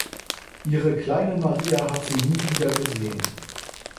Ihre kleine Maria hat sie nie wieder gesehen.